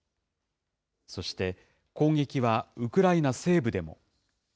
そして、攻撃はウクライナ西部でも。